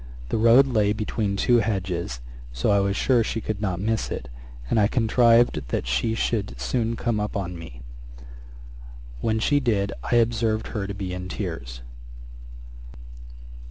The road lay between two hedges, so I was sure she could not miss it; and I contrived that she should soon come up with me. When she did, I observed her to be in tears.'